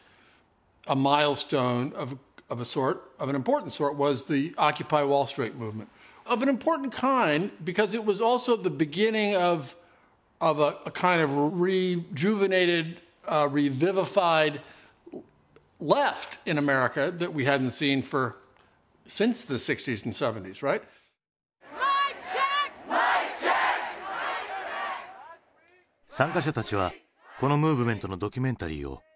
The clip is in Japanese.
参加者たちはこのムーブメントのドキュメンタリーを自ら制作。